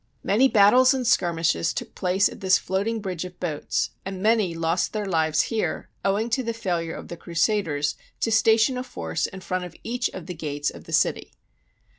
Many battles and skirmishes took place at this float ing bridge of boats, and many lost their lives here owing to the failure of the Crusaders to station a force in front of each of the gates of the city.